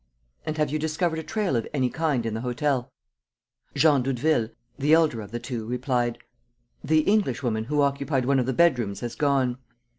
And have you discovered a trail of any kind in the hotel?" Jean Doudeville, the elder of the two, replied: "The Englishwoman who occupied one of the bedrooms has gone."